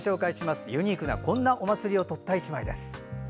こんなユニークなお祭りを撮った１枚です。